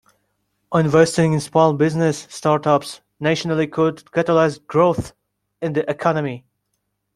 Investing in small business startups nationally could catalyze growth in the economy.